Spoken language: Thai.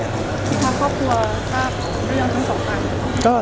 ทางครอบครัวทราบเรื่องทั้งสองอัน